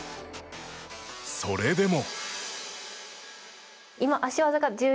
それでも。